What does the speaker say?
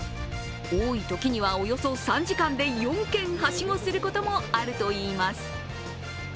多いときには、およそ３時間で４軒はしごすることもあるといいます。